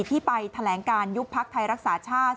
ที่ไปแถลงการยุบพักไทยรักษาชาติ